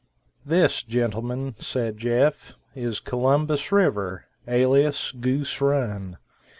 "This, gentlemen," said Jeff, "is Columbus River, alias Goose Run.